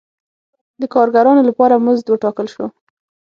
د کارګرانو لپاره مزد وټاکل شو.